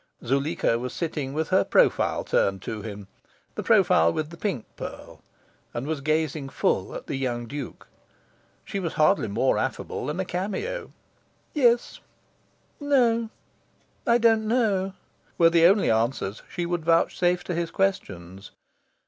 Zuleika was sitting with her profile turned to him the profile with the pink pearl and was gazing full at the young Duke. She was hardly more affable than a cameo. "Yes," "No," "I don't know," were the only answers she would vouchsafe to his questions.